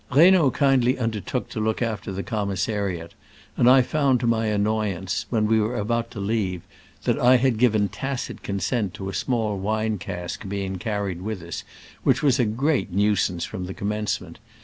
Reynaud kindly undertook to look after the commissanat^ and 1 found to my annoyance, when we were about to leave, that I had given tacit consent to a small wine cask being carried with us, which was a gre^il nuisance from the commencement.